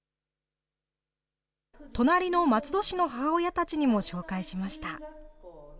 隣の松戸市の母親たちにも紹介しました。